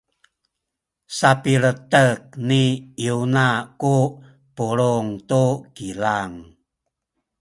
sapiletek ni Yona ku pulung tu kilang.